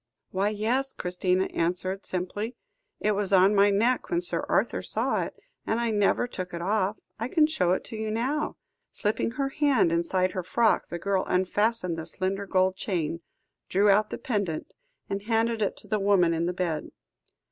"Why, yes," Christina answered simply. "It was on my neck when Sir Arthur saw it, and I never took it off. I can show it to you now." Slipping her hand inside her frock, the girl unfastened the slender gold chain, drew out the pendant, and handed it to the woman in the bed.